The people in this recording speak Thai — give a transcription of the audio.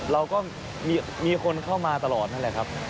เราก็มีคนเข้ามาตลอดนั่นแหละครับ